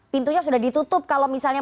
pintunya sudah ditutup kalau misalnya